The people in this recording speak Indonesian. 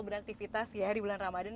beraktifitas ya di bulan ramadhan